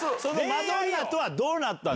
マドンナとはどうなったの？